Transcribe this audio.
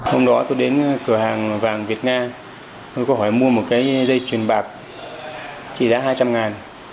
hôm đó tôi đến cửa hàng vàng việt nam tôi có hỏi mua một cái dây truyền bạc chỉ đá hai trăm linh ngàn